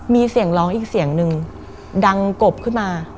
มีเสียงร้องอีกเสียงหนึ่งดังกบขึ้นมา